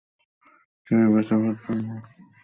শরীর বাঁচাবার জন্য আমায় একটু স্বার্থপর হতে হচ্ছে।